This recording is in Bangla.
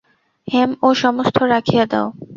হেম, ও-সমস্ত রাখিয়া দাও।